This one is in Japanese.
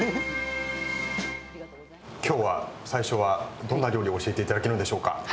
今日は最初はどんな料理を教えて頂けるんでしょうか？